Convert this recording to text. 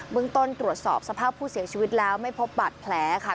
เมืองต้นตรวจสอบสภาพผู้เสียชีวิตแล้วไม่พบบาดแผลค่ะ